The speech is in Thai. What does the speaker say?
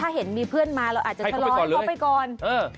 ถ้าเห็นมีเพื่อนมาเราอาจจะทะเลเธอไปก่อน